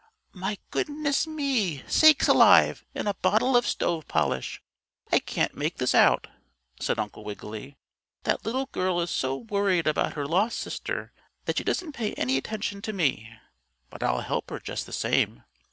"My goodness me, sakes alive, and a bottle of stove polish! I can't make this out," said Uncle Wiggily. "That little girl is so worried about her lost sister that she doesn't pay any attention to me. But I'll help her just the same."